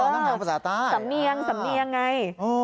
อ๋อนะครับภาษาใต้สำเนียงไงอ๋ออ๋อ